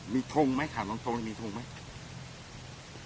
มีทงไหมถามตรงมีทงไหม